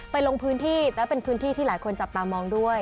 ลงพื้นที่และเป็นพื้นที่ที่หลายคนจับตามองด้วย